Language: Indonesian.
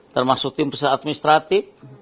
termasuk tim administratif